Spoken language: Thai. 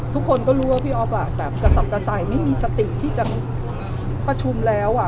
ทุกคนก็รู้ว่าพี่อ๊อฟอ่ะแบบกระสับกระส่ายไม่มีสติที่จะประชุมแล้วอ่ะ